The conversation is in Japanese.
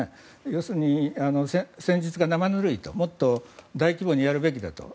要するに、戦術が生ぬるいともっと大規模にやるべきだと。